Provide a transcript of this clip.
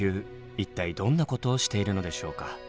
一体どんなことをしているのでしょうか。